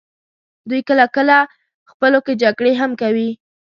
دوی کله کله خپلو کې جګړې هم کوي.